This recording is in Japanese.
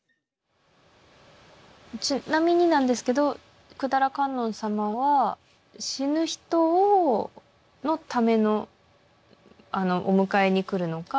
ちなみになんですけど百済観音様は死ぬ人のためのお迎えに来るのか